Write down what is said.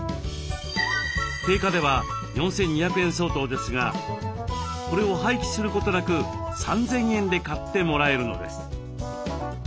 定価では４，２００円相当ですがこれを廃棄することなく３，０００円で買ってもらえるのです。